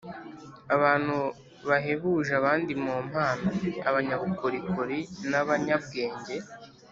abantu bahebuje abandi mu mpano, abanyabukorikori n’abanyabwenge